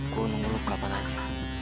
gue nunggu lu kapan aja